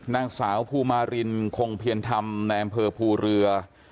นางสาวภูมารินคงเพียรธรรมในอำเภอภูเรือ